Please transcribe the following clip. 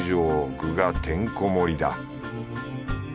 具がてんこ盛りだ。